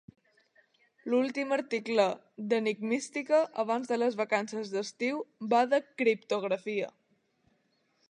L'últim article d'enigmística abans de les vacances d'estiu va de criptografia.